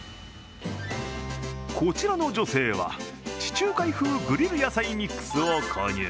こちらの女性は地中海風グリル野菜ミックスを購入。